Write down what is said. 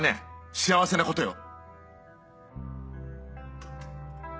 幸せなことよ。